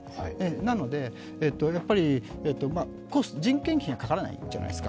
なので人件費がかからないじゃないですか。